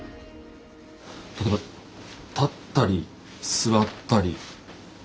例えば立ったり座ったり歩いたり。